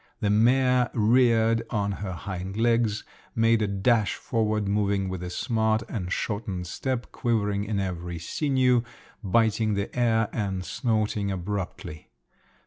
The mare reared on her hind legs, made a dash forward, moving with a smart and shortened step, quivering in every sinew, biting the air and snorting abruptly.